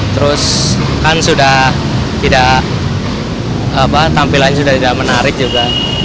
terus kan sudah tidak tampilan sudah tidak menarik juga